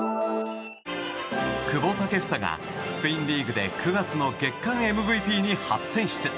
久保建英がスペインリーグで９月の月間ＭＶＰに初選出。